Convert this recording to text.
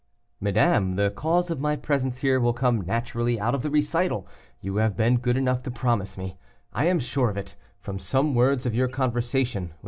"Madame, the cause of my presence here will come naturally out of the recital you have been good enough to promise me; I am sure of it, from some words of your conversation with M.